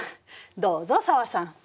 どうぞ紗和さん。